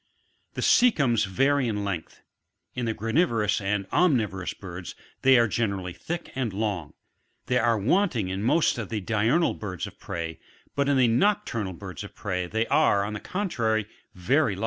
35. The ecBcums vary much in length ; in the granivorous, and oipni vorous birds, they are generally thick and long ; they are wanting in most of the diurnal birds of prey, but in the nocturnal birds of prey, they are, on the contrary, very large.